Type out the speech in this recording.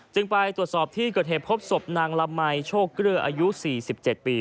จึงไปตรวจสอบที่เกิดเหตุพบศพนางลำไหมโชคเกลืออายุสี่สิบเจ็ดปี